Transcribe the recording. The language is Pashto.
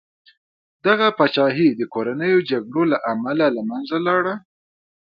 دغه پاچاهي د کورنیو جګړو له امله له منځه لاړه.